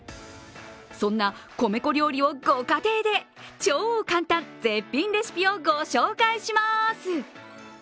そんな米粉料理をご家庭で超簡単絶品レシピをご紹介します。